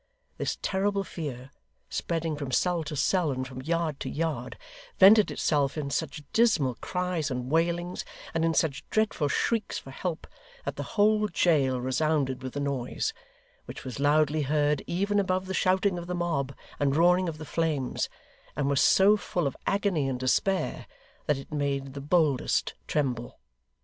This terrible fear, spreading from cell to cell and from yard to yard, vented itself in such dismal cries and wailings, and in such dreadful shrieks for help, that the whole jail resounded with the noise; which was loudly heard even above the shouting of the mob and roaring of the flames, and was so full of agony and despair, that it made the boldest tremble.